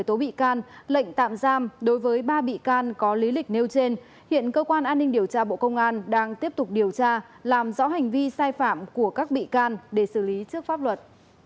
tố bị can lệnh tạm giam đối với ba bị can có lý lịch nêu trên hiện cơ quan an ninh điều tra bộ công an đang tiếp tục điều tra làm rõ hành vi sai phạm của các bị can để xử lý trước pháp luật